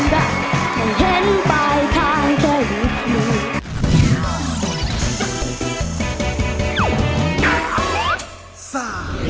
ให้เห็นปลายทางก็มี